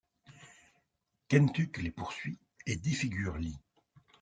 Kentuck les poursuit et défigure Lee.